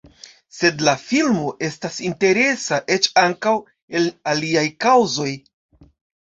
Sed la filmo estas interesa eĉ ankaŭ el aliaj kaŭzoj.